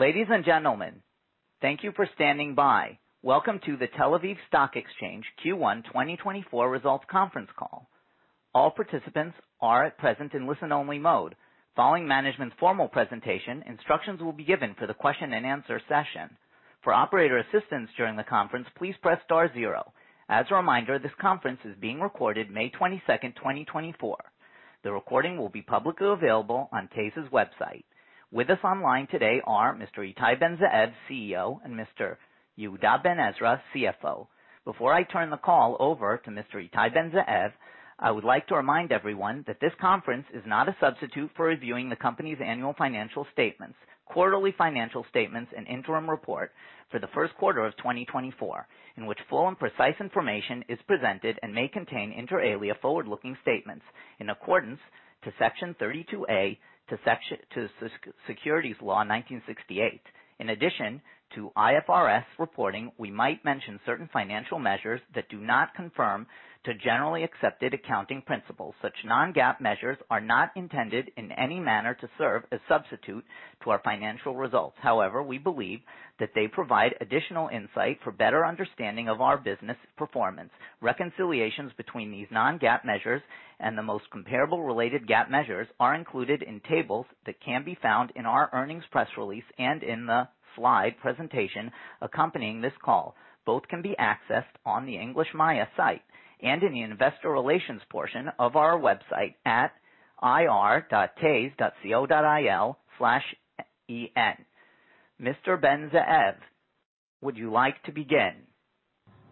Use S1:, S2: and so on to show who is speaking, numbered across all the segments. S1: Ladies and gentlemen, thank you for standing by. Welcome to the Tel Aviv Stock Exchange Q1 2024 Results Conference Call. All participants are at present in listen-only mode. Following management's formal presentation, instructions will be given for the question and answer session. For operator assistance during the conference, please press star zero. As a reminder, this conference is being recorded May 22, 2024. The recording will be publicly available on TASE's website. With us online today are Mr. Ittai Ben-Zeev, CEO, and Mr. Yehuda Ben-Ezra, CFO. Before I turn the call over to Mr. Ittai Ben-Zeev, I would like to remind everyone that this conference is not a substitute for reviewing the company's annual financial statements, quarterly financial statements, and interim report for the first quarter of 2024, in which full and precise information is presented and may contain, inter alia, forward-looking statements in accordance to Section 32A to Securities Law, 1968. In addition to IFRS reporting, we might mention certain financial measures that do not conform to generally accepted accounting principles. Such non-GAAP measures are not intended in any manner to serve as substitute to our financial results. However, we believe that they provide additional insight for better understanding of our business performance. Reconciliations between these non-GAAP measures and the most comparable related GAAP measures are included in tables that can be found in our earnings press release and in the slide presentation accompanying this call. Both can be accessed on the English Maya site and in the investor relations portion of our website at ir.tase.co.il/en. Mr. Ben-Zeev, would you like to begin?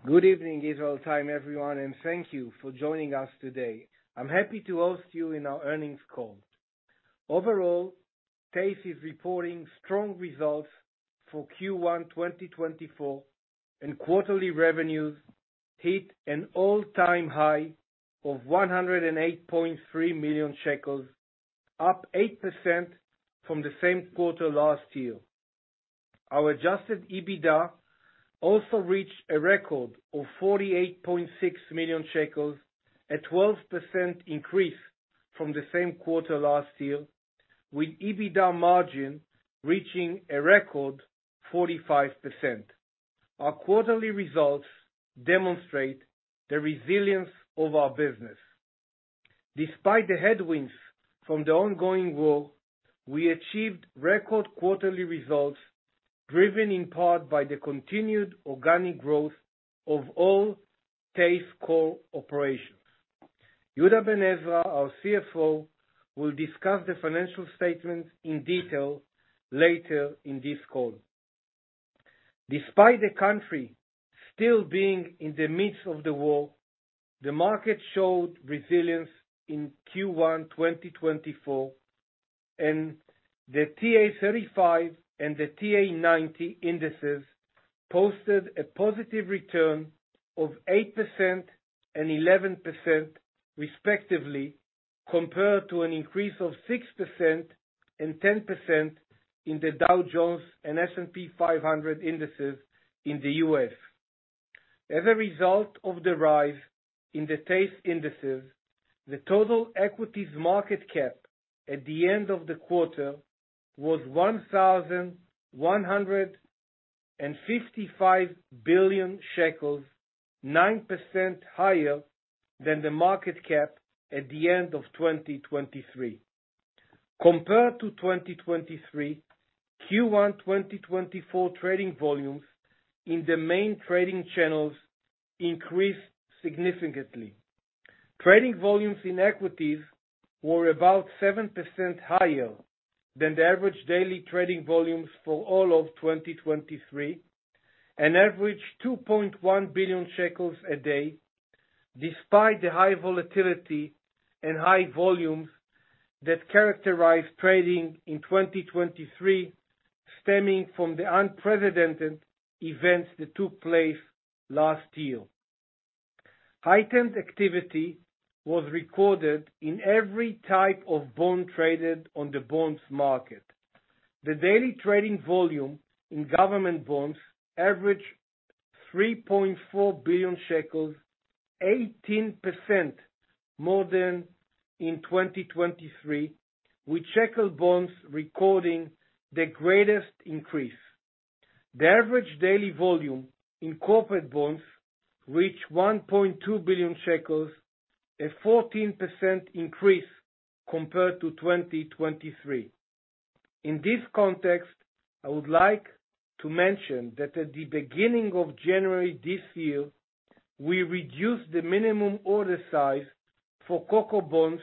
S2: Good evening, Israel Time, everyone, and thank you for joining us today. I'm happy to host you in our earnings call. Overall, TASE is reporting strong results for Q1 2024, and quarterly revenues hit an all-time high of 108.3 million shekels, up 8% from the same quarter last year. Our Adjusted EBITDA also reached a record of 48.6 million shekels, a 12% increase from the same quarter last year, with EBITDA margin reaching a record 45%. Our quarterly results demonstrate the resilience of our business. Despite the headwinds from the ongoing war, we achieved record quarterly results, driven in part by the continued organic growth of all TASE core operations. Yehuda Ben-Ezra, our CFO, will discuss the financial statements in detail later in this call. Despite the country still being in the midst of the war, the market showed resilience in Q1 2024, and the TA-35 and the TA-90 indices posted a positive return of 8% and 11%, respectively, compared to an increase of 6% and 10% in the Dow Jones and S&P 500 indices in the U.S.. As a result of the rise in the TASE indices, the total equities market cap at the end of the quarter was 1,155 billion shekels, 9% higher than the market cap at the end of 2023. Compared to 2023, Q1 2024 trading volumes in the main trading channels increased significantly. Trading volumes in equities were about 7% higher than the average daily trading volumes for all of 2023, an average 2.1 billion shekels a day, despite the high volatility and high volumes that characterized trading in 2023, stemming from the unprecedented events that took place last year. Heightened activity was recorded in every type of bond traded on the bonds market. The daily trading volume in government bonds averaged 3.4 billion shekels, 18% more than in 2023, with shekel bonds recording the greatest increase. The average daily volume in corporate bonds reached 1.2 billion shekels, a 14% increase compared to 2023. In this context, I would like to mention that at the beginning of January this year, we reduced the minimum order size for CoCo Bonds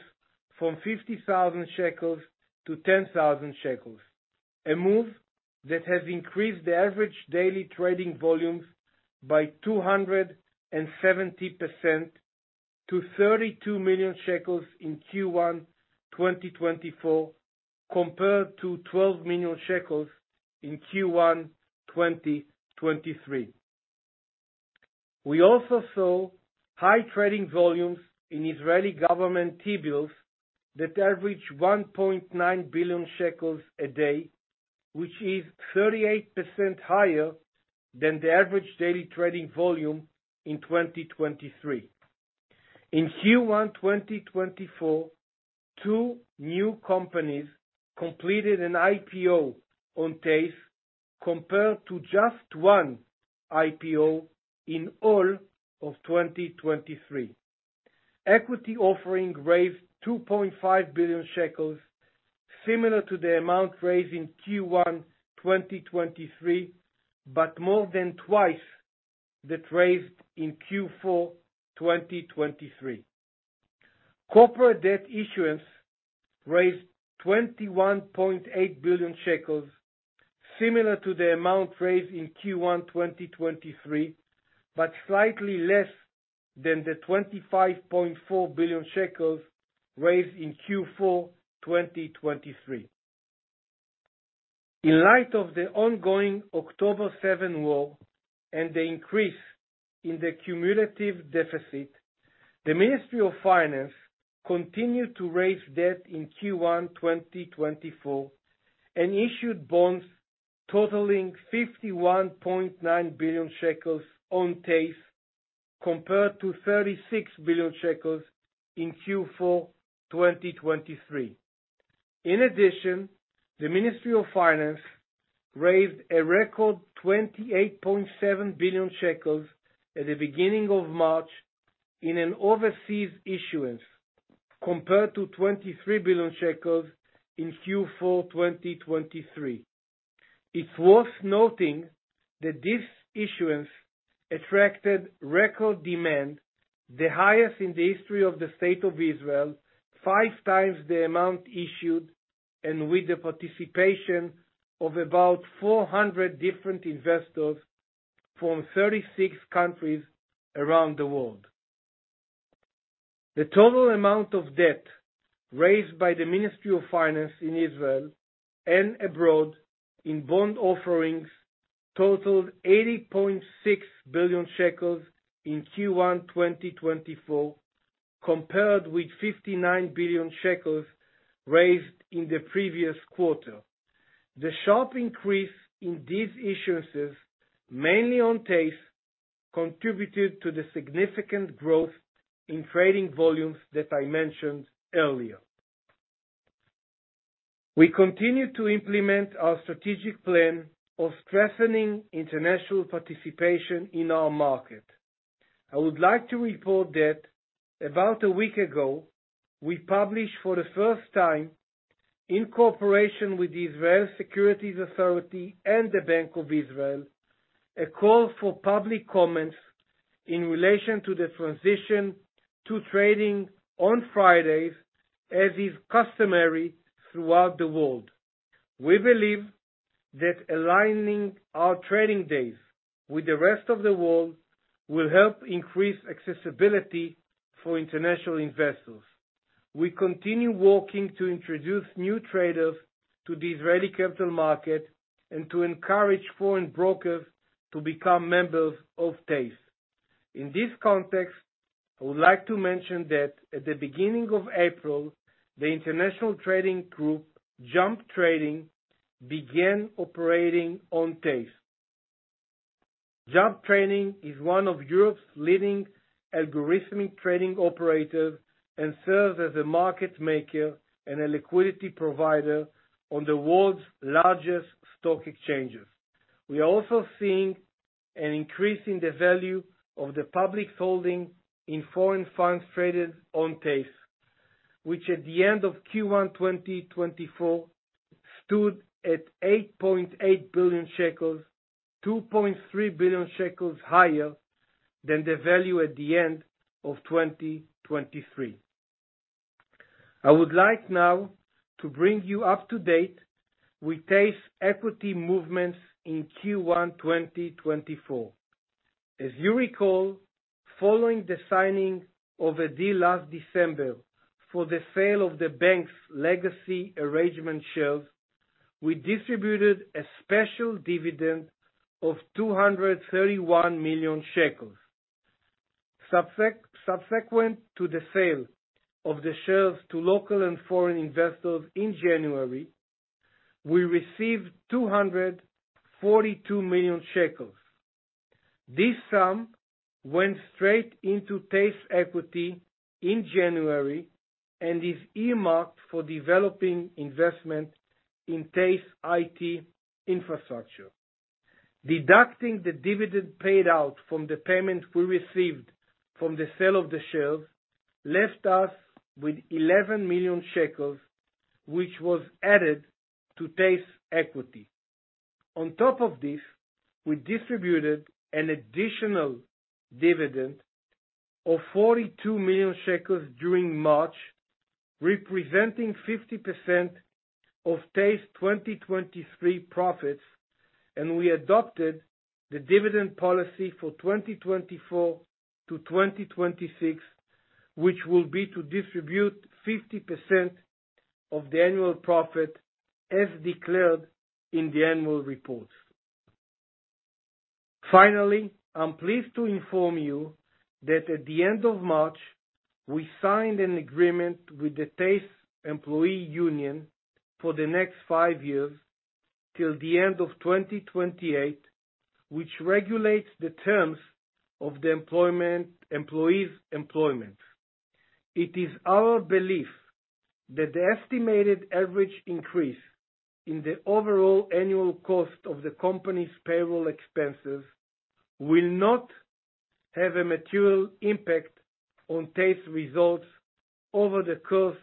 S2: from 50,000 shekels to 10,000 shekels, a move that has increased the average daily trading volumes by 270% to 32 million shekels in Q1 2024, compared to 12 million shekels in Q1 2023. We also saw high trading volumes in Israeli government T-bills that average 1.9 billion shekels a day, which is 38% higher than the average daily trading volume in 2023. In Q1 2024, two new companies completed an IPO on TASE, compared to just one IPO in all of 2023. Equity offering raised 2.5 billion shekels, similar to the amount raised in Q1 2023, but more than twice that raised in Q4 2023. Corporate debt issuance raised 21.8 billion shekels, similar to the amount raised in Q1 2023, but slightly less than the 25.4 billion shekels raised in Q4 2023. In light of the ongoing October 7 war and the increase in the cumulative deficit, the Ministry of Finance continued to raise debt in Q1 2024, and issued bonds totaling 51.9 billion shekels on TASE, compared to 36 billion shekels in Q4 2023. In addition, the Ministry of Finance raised a record 28.7 billion shekels at the beginning of March in an overseas issuance, compared to 23 billion shekels in Q4 2023. It's worth noting that this issuance attracted record demand, the highest in the history of the State of Israel, five times the amount issued, and with the participation of about 400 different investors from 36 countries around the world. The total amount of debt raised by the Ministry of Finance in Israel and abroad in bond offerings totaled 80.6 billion shekels in Q1 2024, compared with 59 billion shekels raised in the previous quarter. The sharp increase in these issuances, mainly on TASE, contributed to the significant growth in trading volumes that I mentioned earlier. We continue to implement our strategic plan of strengthening international participation in our market. I would like to report that about a week ago, we published for the first time, in cooperation with the Israel Securities Authority and the Bank of Israel, a call for public comments in relation to the transition to trading on Fridays, as is customary throughout the world. We believe that aligning our trading days with the rest of the world will help increase accessibility for international investors. We continue working to introduce new traders to the Israeli capital market and to encourage foreign brokers to become members of TASE. In this context, I would like to mention that at the beginning of April, the international trading group, Jump Trading, began operating on TASE. Jump Trading is one of Europe's leading algorithmic trading operators and serves as a market maker and a liquidity provider on the world's largest stock exchanges. We are also seeing an increase in the value of the public holding in foreign funds traded on TASE, which at the end of Q1 2024, stood at 8.8 billion shekels, 2.3 billion shekels higher than the value at the end of 2023. I would like now to bring you up to date with TASE equity movements in Q1 2024. As you recall, following the signing of a deal last December for the sale of the bank's legacy Arrangement Shares, we distributed a special dividend of ILS 231 million. Subsequent to the sale of the shares to local and foreign investors in January, we received 242 million shekels. This sum went straight into TASE equity in January and is earmarked for developing investment in TASE IT infrastructure. Deducting the dividend paid out from the payment we received from the sale of the shares, left us with 11 million shekels, which was added to TASE equity. On top of this, we distributed an additional dividend of 42 million shekels during March, representing 50% of TASE 2023 profits, and we adopted the dividend policy for 2024-2026, which will be to distribute 50% of the annual profit, as declared in the annual report. Finally, I'm pleased to inform you that at the end of March, we signed an agreement with the TASE employee union for the next five years till the end of 2028, which regulates the terms of the employment. It is our belief that the estimated average increase in the overall annual cost of the company's payroll expenses will not have a material impact on TASE results over the course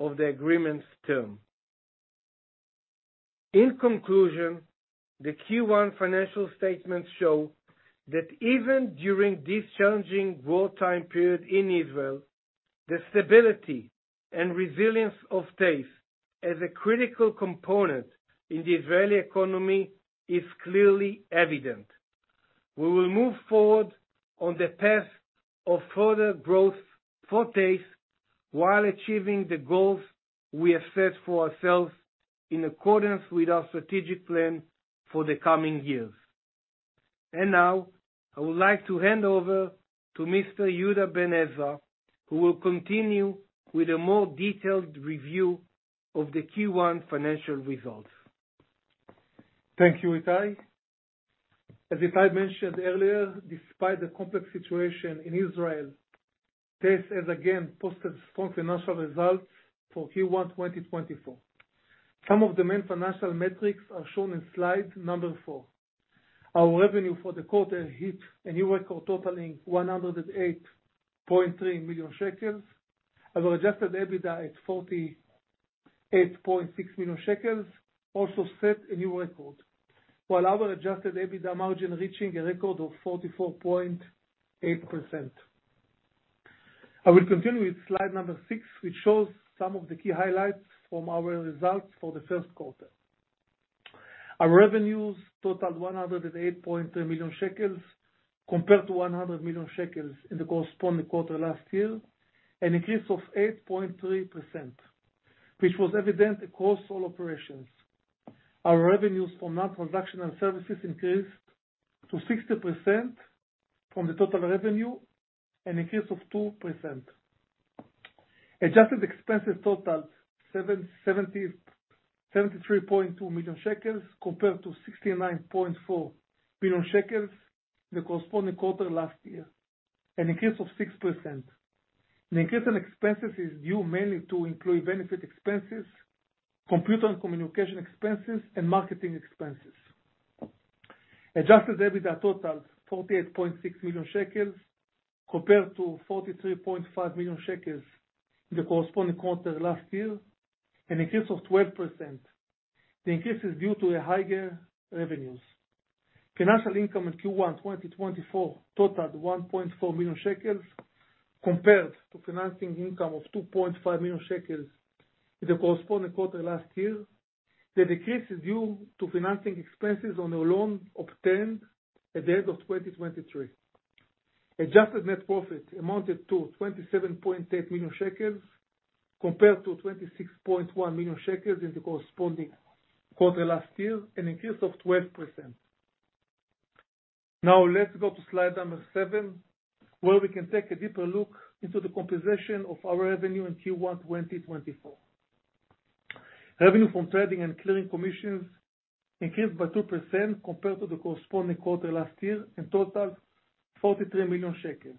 S2: of the agreement's term. In conclusion, the Q1 financial statements show that even during this challenging wartime period in Israel, the stability and resilience of TASE as a critical component in the Israeli economy is clearly evident. We will move forward on the path of further growth for TASE, while achieving the goals we have set for ourselves in accordance with our strategic plan for the coming years. Now, I would like to hand over to Mr. Yehuda Ben-Ezra, who will continue with a more detailed review of the Q1 financial results.
S3: Thank you, Ittai. As Ittai mentioned earlier, despite the complex situation in Israel, TASE has again posted strong financial results for Q1 2024. Some of the main financial metrics are shown in slide four. Our revenue for the quarter hit a new record, totaling 108.3 million shekels. Our adjusted EBITDA at 48.6 million shekels, also set a new record, while our adjusted EBITDA margin, reaching a record of 44.8%. I will continue with slide six, which shows some of the key highlights from our results for the first quarter. Our revenues totaled 108.3 million shekels, compared to 100 million shekels in the corresponding quarter last year, an increase of 8.3%, which was evident across all operations. Our revenues from non-transactional services increased to 60% from the total revenue, an increase of 2%. Adjusted expenses totaled 73.2 million shekels, compared to 69.4 million shekels in the corresponding quarter last year, an increase of 6%. The increase in expenses is due mainly to employee benefit expenses, computer and communication expenses, and marketing expenses. Adjusted EBITDA totaled 48.6 million shekels, compared to 43.5 million shekels in the corresponding quarter last year, an increase of 12%. The increase is due to a higher revenues. Financial income in Q1 2024 totaled 1.4 million shekels, compared to financing income of 2.5 million shekels in the corresponding quarter last year. The decrease is due to financing expenses on a loan obtained at the end of 2023. Adjusted net profit amounted to 27.8 million shekels, compared to 26.1 million shekels in the corresponding quarter last year, an increase of 12%. Now, let's go to slide number seven, where we can take a deeper look into the composition of our revenue in Q1 2024. Revenue from trading and clearing commissions increased by 2% compared to the corresponding quarter last year, and totaled 43 million shekels.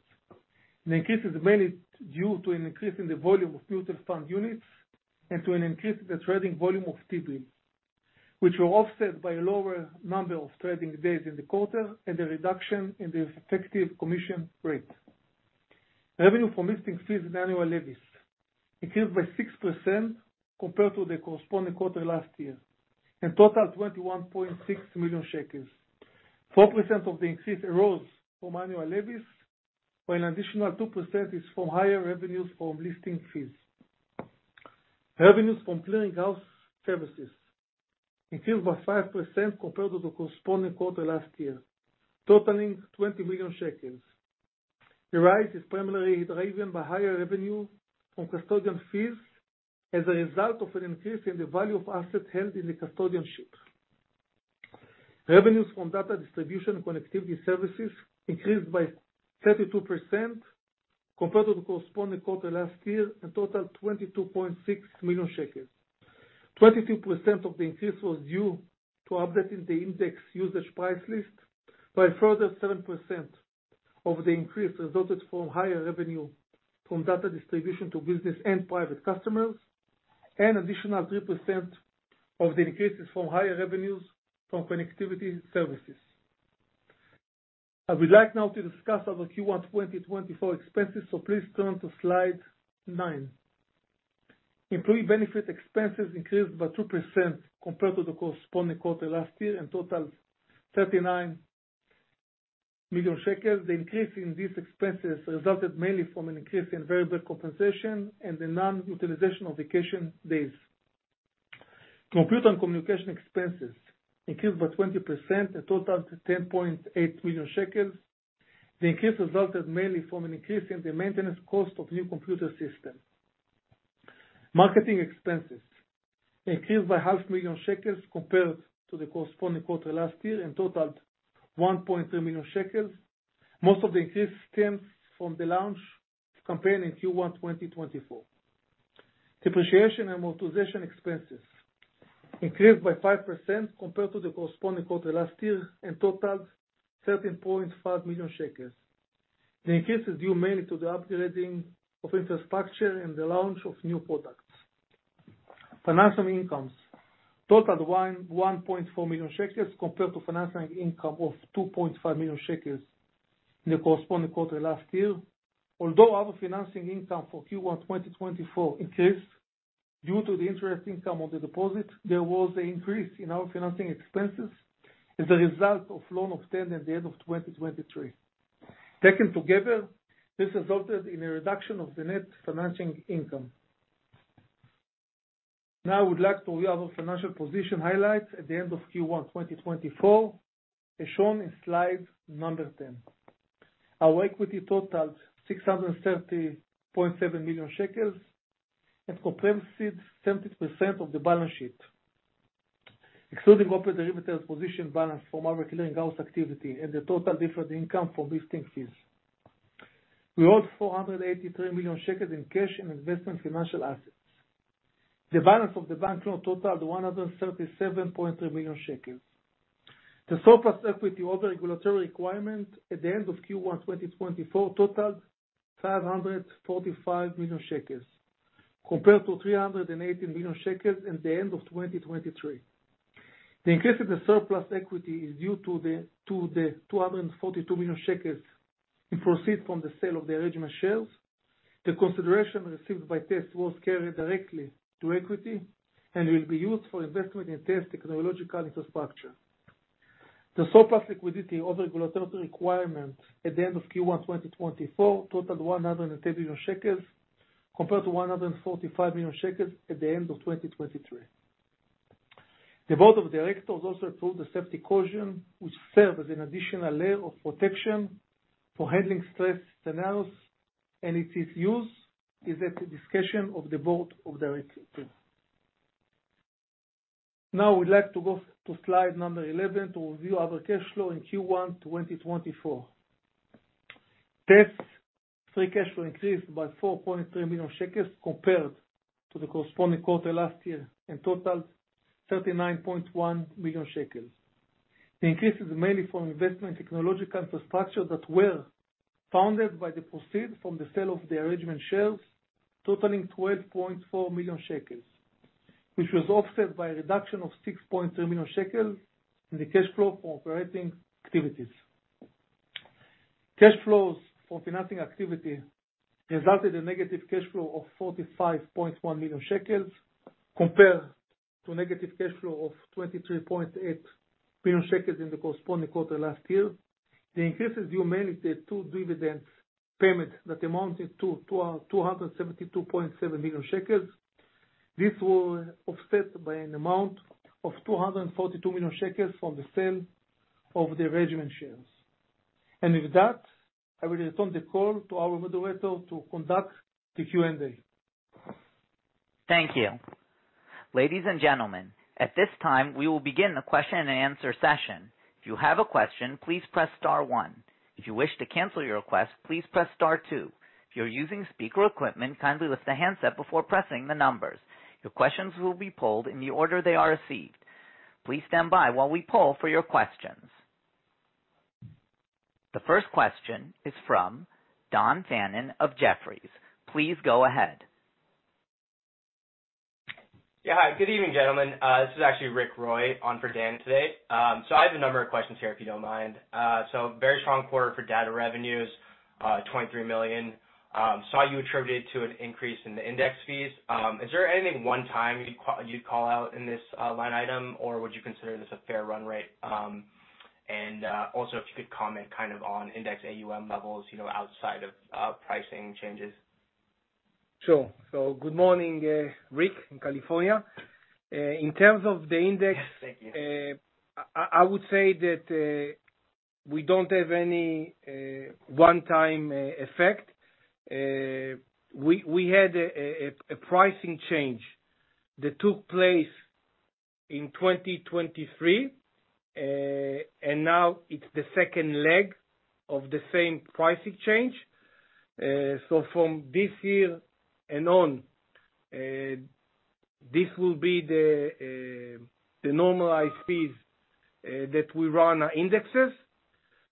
S3: The increase is mainly due to an increase in the volume of mutual fund units and to an increase in the trading volume of T-bills, which were offset by a lower number of trading days in the quarter and a reduction in the effective commission rate. Revenue from listing fees and annual levies increased by 6% compared to the corresponding quarter last year, and totaled 21.6 million shekels. 4% of the increase arose from annual levies, while an additional 2% is from higher revenues from listing fees. Revenues from clearing house services increased by 5% compared to the corresponding quarter last year, totaling 20 million shekels. The rise is primarily driven by higher revenue from custodian fees as a result of an increase in the value of assets held in the custodianship. Revenues from data distribution and connectivity services increased by 32% compared to the corresponding quarter last year, and totaled 22.6 million shekels. 22% of the increase was due to updating the index usage price list, by a further 7% of the increase resulted from higher revenue from data distribution to business and private customers, and additional 3% of the increase is from higher revenues from connectivity services. I would like now to discuss our Q1 2024 expenses, so please turn to slide nine. Employee benefit expenses increased by 2% compared to the corresponding quarter last year, and totaled 39 million shekels. The increase in these expenses resulted mainly from an increase in variable compensation and the non-utilization of vacation days. Computer and communication expenses increased by 20%, and totaled 10.8 million shekels. The increase resulted mainly from an increase in the maintenance cost of new computer system. Marketing expenses increased by 500,000 shekels compared to the corresponding quarter last year, and totaled 1.3 million shekels. Most of the increase stems from the launch campaign in Q1 2024. Depreciation and amortization expenses increased by 5% compared to the corresponding quarter last year, and totaled 13.5 million. The increase is due mainly to the upgrading of infrastructure and the launch of new products. Financing incomes totaled 1.14 million shekels compared to financing income of 2.5 million shekels in the corresponding quarter last year. Although other financing income for Q1 2024 increased due to the interest income on the deposit, there was an increase in our financing expenses as a result of loan obtained at the end of 2023. Taken together, this resulted in a reduction of the net financing income. Now, I would like to review our financial position highlights at the end of Q1 2024, as shown in slide number 10. Our equity totaled 630.7 million shekels, and comprises 70% of the balance sheet, excluding open derivatives position balance from our clearinghouse activity, and the total deferred income from listing fees. We hold 483 million shekels in cash and investment financial assets. The balance of the bank loan totaled 137.3 million shekels. The surplus equity over regulatory requirement at the end of Q1, 2024, totaled 545 million shekels, compared to 318 million shekels at the end of 2023. The increase in the surplus equity is due to the two hundred and forty-two million shekels in proceeds from the sale of the Arrangement shares. The consideration received by TASE was carried directly to equity, and will be used for investment in TASE technological infrastructure. The surplus liquidity over regulatory requirements at the end of Q1, 2024, totaled 130 million shekels, compared to 145 million shekels at the end of 2023. The board of directors also approved the safety cushion, which serves as an additional layer of protection for handling stress scenarios, and its use is at the discretion of the board of directors. Now, we'd like to go to slide number 11 to review our cash flow in Q1 2024. TASE's free cash flow increased by 4.3 million shekels compared to the corresponding quarter last year, and totaled 39.1 million shekels. The increase is mainly from investments in technological infrastructure that were funded by the proceeds from the sale of the Arrangement Shares, totaling 12.4 million shekels, which was offset by a reduction of 6.3 million shekels in the cash flow for operating activities. Cash flows for financing activity resulted in negative cash flow of 45.1 million shekels, compared to negative cash flow of 23.8 million shekels in the corresponding quarter last year. The increase is due mainly to two dividend payment that amounted to 272.7 million shekels. This was offset by an amount of 242 million shekels from the sale of the Arrangement Shares. And with that, I will return the call to our moderator to conduct the Q&A.
S1: Thank you. Ladies and gentlemen, at this time, we will begin the question and answer session. If you have a question, please press star one. If you wish to cancel your request, please press star two. If you're using speaker equipment, kindly lift the handset before pressing the numbers. Your questions will be polled in the order they are received. Please stand by while we poll for your questions. The first question is from Dan Fannon of Jefferies. Please go ahead.
S4: Yeah. Hi, good evening, gentlemen. This is actually Rick Roy on for Dan today. So I have a number of questions here, if you don't mind. So very strong quarter for data revenues, 23 million. Saw you attributed it to an increase in the index fees. Is there anything one time you'd call out in this line item, or would you consider this a fair run rate? And also, if you could comment kind of on index AUM levels, you know, outside of pricing changes.
S3: Sure. Good morning, Rick, in California. In terms of the index-
S4: Thank you.
S3: I would say that we don't have any one-time effect. We had a pricing change that took place in 2023, and now it's the second leg of the same pricing change. So from this year and on, this will be the normalized fees that we run our indexes.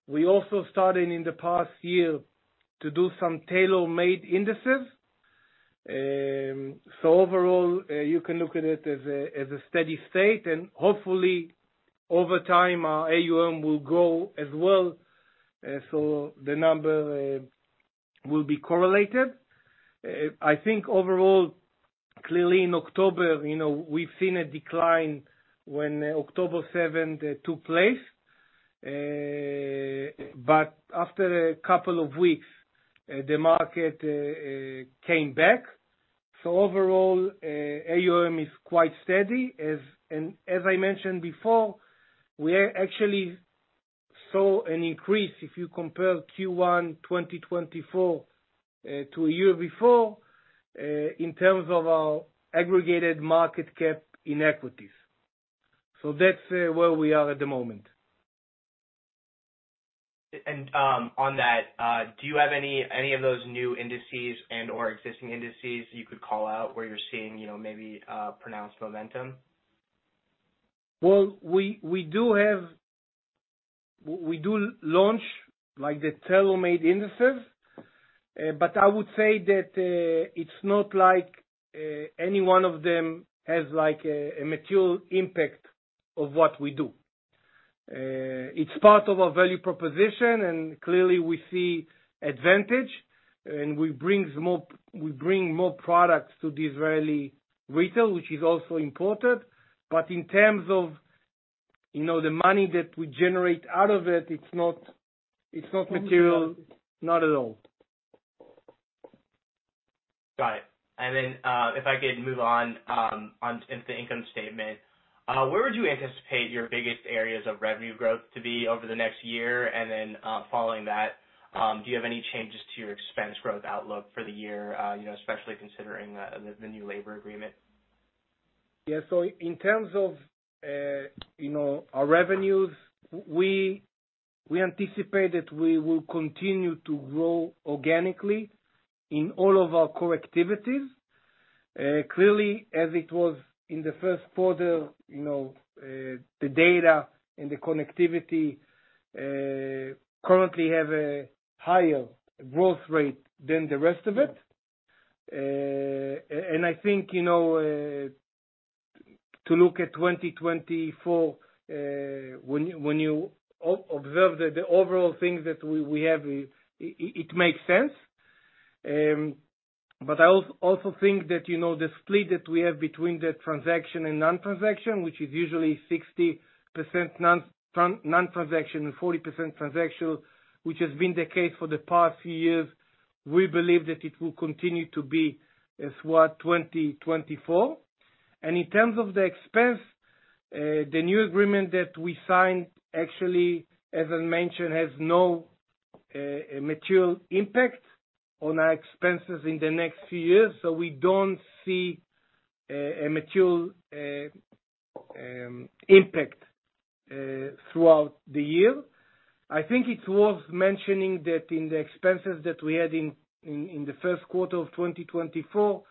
S3: We also started in the past year to do some tailor-made indexes. So overall, you can look at it as a steady state, and hopefully over time, our AUM will grow as well, so the number will be correlated. I think overall, clearly in October, you know, we've seen a decline when October seventh took place. But after a couple of weeks, the market came back. So overall, AUM is quite steady, as... As I mentioned before, we actually saw an increase, if you compare Q1 2024 to a year before, in terms of our aggregated market cap in equities. So that's where we are at the moment....
S4: And, on that, do you have any of those new indices and/or existing indices you could call out where you're seeing, you know, maybe pronounced momentum?
S3: Well, we do have—we do launch, like, the tailor-made indices, but I would say that it's not like any one of them has, like, a material impact of what we do. It's part of our value proposition, and clearly we see advantage, and we bring more, we bring more products to the Israeli retail, which is also important. But in terms of, you know, the money that we generate out of it, it's not material. Not at all.
S4: Got it. And then, if I could move on, into the income statement. Where would you anticipate your biggest areas of revenue growth to be over the next year? And then, following that, do you have any changes to your expense growth outlook for the year, you know, especially considering the new labor agreement?
S2: Yeah. So in terms of, you know, our revenues, we anticipate that we will continue to grow organically in all of our core activities. Clearly, as it was in the first quarter, you know, the data and the connectivity currently have a higher growth rate than the rest of it. And I think, you know, to look at 2024, when you observe the overall things that we have, it makes sense. But I also think that, you know, the split that we have between the transaction and non-transaction, which is usually 60% non-transaction and 40% transactional, which has been the case for the past few years, we believe that it will continue to be throughout 2024. In terms of the expense, the new agreement that we signed, actually, as I mentioned, has no material impact on our expenses in the next few years, so we don't see a material impact throughout the year. I think it's worth mentioning that in the expenses that we had in the first quarter of 2024,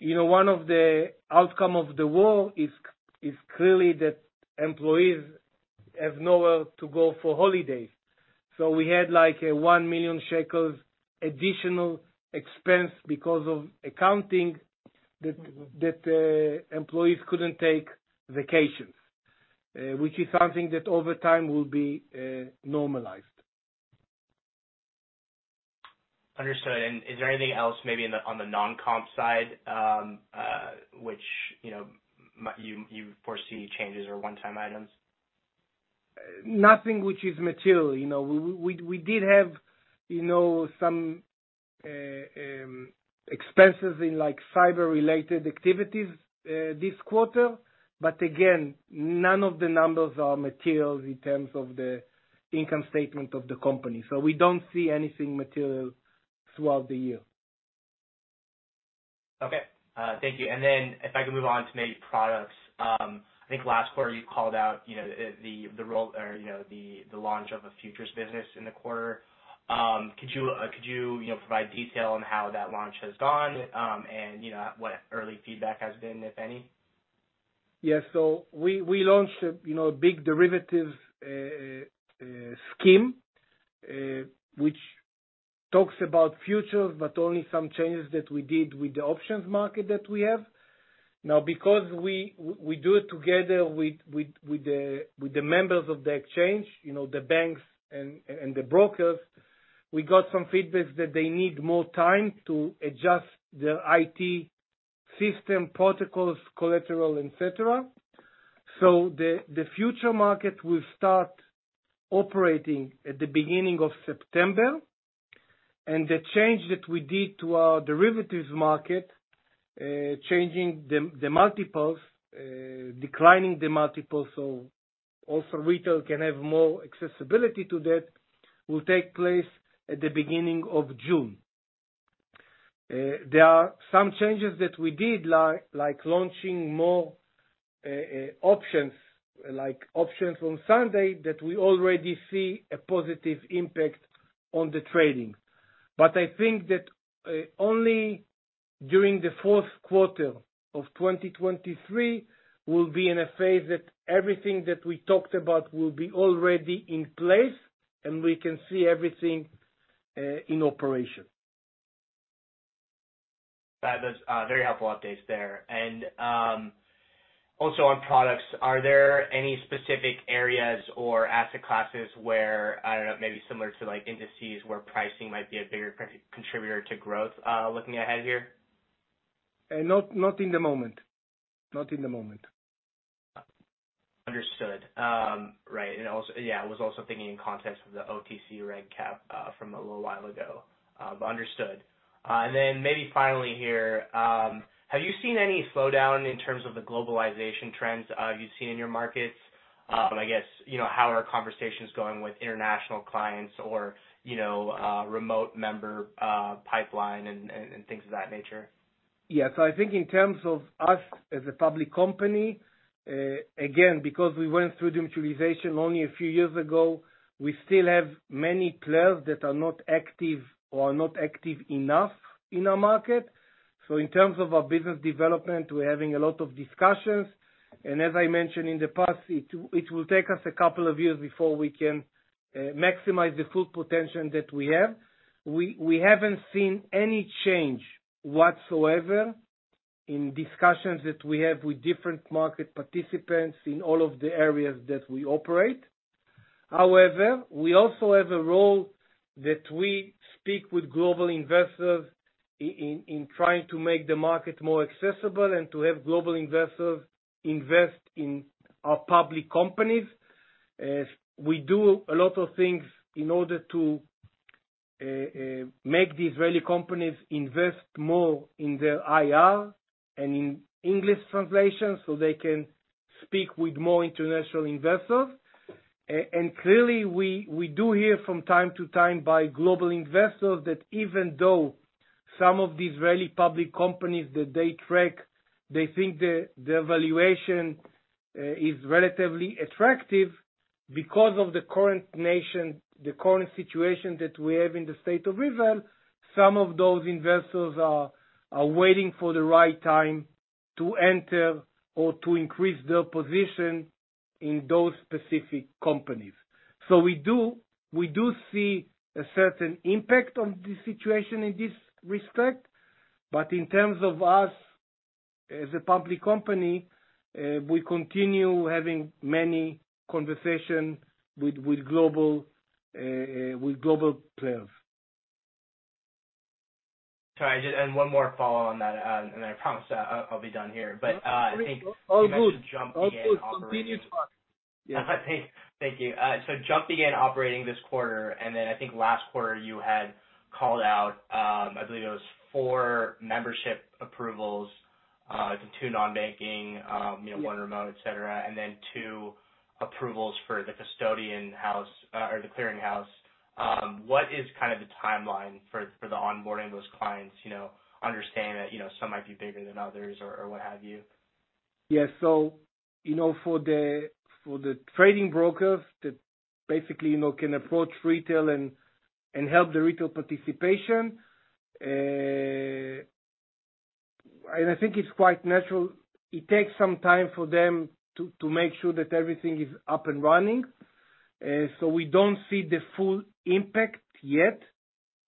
S2: you know, one of the outcome of the war is clearly that employees have nowhere to go for holidays. So we had, like, a one million shekels additional expense because of accounting that employees couldn't take vacations, which is something that over time will be normalized.
S4: Understood. And is there anything else, maybe on the non-comp side, which, you know, you foresee changes or one-time items?
S2: Nothing which is material. You know, we did have, you know, some expenses in, like, cyber-related activities, this quarter, but again, none of the numbers are material in terms of the income statement of the company. So we don't see anything material throughout the year.
S4: Okay, thank you. And then if I could move on to maybe products. I think last quarter you called out, you know, the role or, you know, the launch of a futures business in the quarter. Could you, you know, provide detail on how that launch has gone, and, you know, what early feedback has been, if any?
S2: Yeah. So we launched, you know, a big derivatives scheme, which talks about futures, but only some changes that we did with the options market that we have. Now, because we do it together with the members of the exchange, you know, the banks and the brokers, we got some feedback that they need more time to adjust their IT system protocols, collateral, et cetera. So the futures market will start operating at the beginning of September, and the change that we did to our derivatives market, changing the multiples, declining the multiples, so also retail can have more accessibility to that, will take place at the beginning of June. There are some changes that we did, like launching more, options, like options on Sunday, that we already see a positive impact on the trading. But I think that, only during the fourth quarter of 2023, we'll be in a phase that everything that we talked about will be already in place, and we can see everything, in operation.
S4: That was very helpful updates there. And also on products, are there any specific areas or asset classes where, I don't know, maybe similar to like indices, where pricing might be a bigger primary contributor to growth, looking ahead here?
S2: Not in the moment. Not in the moment.
S4: Understood. Right, and also... Yeah, I was also thinking in context of the OTC Reg cap from a little while ago. Understood. And then maybe finally here, have you seen any slowdown in terms of the globalization trends you've seen in your markets? I guess, you know, how are conversations going with international clients or, you know, remote member pipeline and things of that nature?...
S2: Yeah, so I think in terms of us as a public company, again, because we went through demutualization only a few years ago, we still have many players that are not active or are not active enough in our market. So in terms of our business development, we're having a lot of discussions, and as I mentioned in the past, it will take us a couple of years before we can maximize the full potential that we have. We haven't seen any change whatsoever in discussions that we have with different market participants in all of the areas that we operate. However, we also have a role that we speak with global investors in trying to make the market more accessible and to have global investors invest in our public companies. We do a lot of things in order to make the Israeli companies invest more in their IR and in English translation, so they can speak with more international investors. And clearly, we do hear from time to time by global investors that even though some of the Israeli public companies that they track, they think the valuation is relatively attractive because of the current situation that we have in the state of Israel, some of those investors are waiting for the right time to enter or to increase their position in those specific companies. So we do see a certain impact on the situation in this respect, but in terms of us as a public company, we continue having many conversation with global players.
S4: Sorry, just one more follow on that, and I promise I'll be done here. But I think-
S2: All good.
S4: You mentioned Jump began operating-
S2: All good. Continue to talk. Yeah.
S4: Thank you. So Jump began operating this quarter, and then I think last quarter you had called out, I believe it was four membership approvals, two non-banking, you know, 1 remote, et cetera, and then two approvals for the custodian house or the clearing house. What is kind of the timeline for the onboarding of those clients, you know, understanding that, you know, some might be bigger than others or what have you?
S2: Yeah. So, you know, for the trading brokers that basically, you know, can approach retail and help the retail participation, and I think it's quite natural. It takes some time for them to make sure that everything is up and running, so we don't see the full impact yet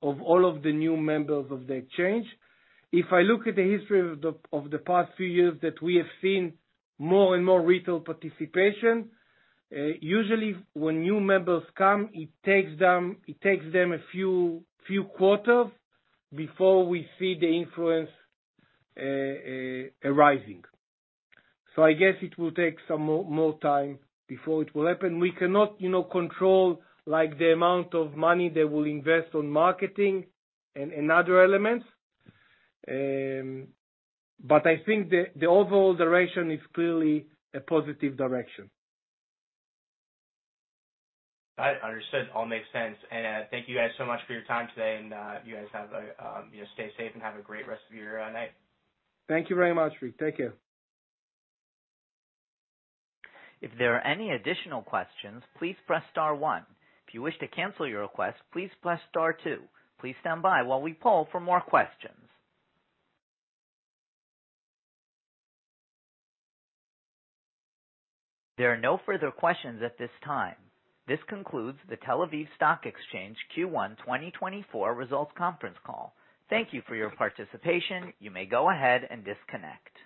S2: of all of the new members of the exchange. If I look at the history of the past few years that we have seen more and more retail participation, usually when new members come, it takes them a few quarters before we see the influence arising. So I guess it will take some more time before it will happen. We cannot, you know, control, like, the amount of money they will invest on marketing and other elements. But I think the overall direction is clearly a positive direction.
S4: Got it. Understood. All makes sense. Thank you guys so much for your time today, and you guys have a, you know, stay safe and have a great rest of your night.
S2: Thank you very much, Rick. Take care.
S1: If there are any additional questions, please press star one. If you wish to cancel your request, please press star two. Please stand by while we poll for more questions. There are no further questions at this time. This concludes the Tel Aviv Stock Exchange Q1 2024 Results Conference Call. Thank you for your participation. You may go ahead and disconnect.